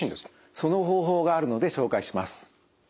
その方法があるので紹介します。